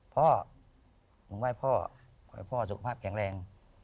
พ่อผมไหว้พ่อขอให้พ่อสุขภาพแข็งแรง